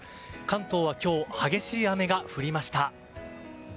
関東は今日激しい雨が降りました。